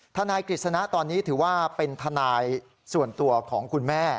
ทนายกฤษณะตอนนี้ถือว่าเป็นทนายส่วนตัวของคุณแม่